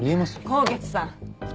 香月さん。